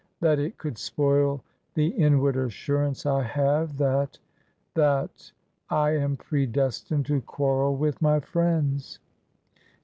" That it could spoil the inward assurance I have that — that — I am predestined to quarrel with my friends."